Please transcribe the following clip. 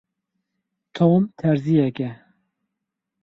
Tom terziyek e.